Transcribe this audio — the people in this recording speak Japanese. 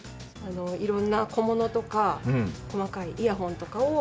色んな小物とか細かいイヤホンとかを。